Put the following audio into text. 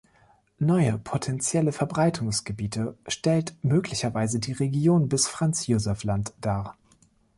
Neue potentielle Verbreitungsgebiete stellt möglicherweise die Region bis zum Franz-Josef-Land dar.